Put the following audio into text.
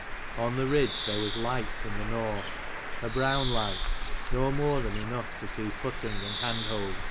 On the ridge there was light from the north, a brown light, no more than enough to see footing and hand hold.